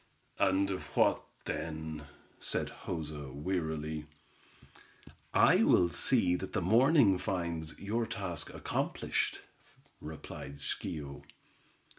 "And what, then?" said Joza, wearily. "I will see that the morning finds your task accomplished," replied Schio.